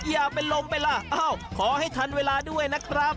อย่าเป็นลมไปล่ะขอให้ทันเวลาด้วยนะครับ